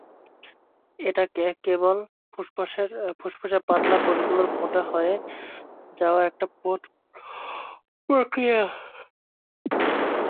এটা কেবল ফুসফুসের পাতলা কোষগুলোর মোটা হয়ে যাওয়ার একটা প্রক্রিয়া।